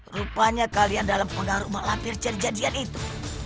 rupanya kalian dalam pengaruh malampir jadian itu